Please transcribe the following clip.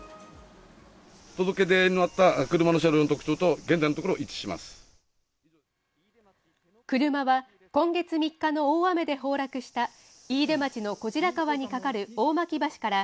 届け出のあった車の車両の特車は、今月３日の大雨で崩落した飯豊町の小白川に架かる大巻橋から、